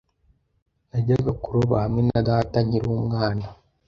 Najyaga kuroba hamwe na data nkiri umwana.